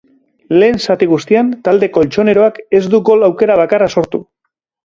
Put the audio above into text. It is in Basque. Lehen zati guztian, talde koltxoneroak ez du gol-aukera bakarra sortu.